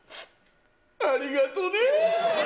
ありがとうねぇ。